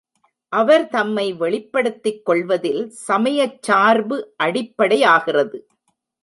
அவர் தம்மை வெளிப்படுத்திக் கொள்வதில் சமயச் சார்பு அடிப்படையாகிறது.